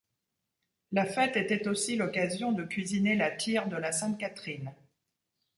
La fête était aussi l'occasion de cuisiner la tire de la Sainte-Catherine.